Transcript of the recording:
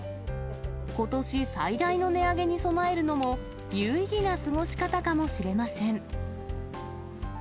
ことし最大の値上げに備えるのも、有意義な過ごし方かもしれません。